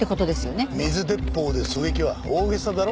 水鉄砲で狙撃は大げさだろ。